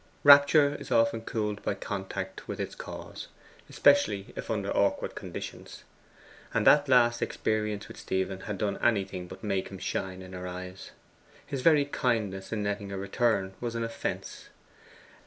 Rapture is often cooled by contact with its cause, especially if under awkward conditions. And that last experience with Stephen had done anything but make him shine in her eyes. His very kindness in letting her return was his offence.